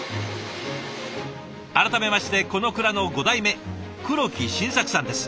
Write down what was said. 改めましてこの蔵の５代目黒木信作さんです。